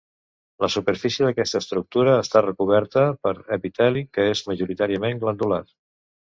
La superfície d'aquesta estructura està recoberta per epiteli que és majoritàriament glandular.